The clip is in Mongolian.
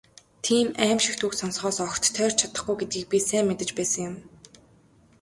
Тийм «аймшигт» үг сонсохоос огт тойрч чадахгүй гэдгийг би сайн мэдэж байсан юм.